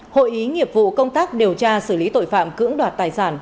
hội ý nghiệp vụ công tác điều tra xử lý tội phạm cưỡng đoạt tài sản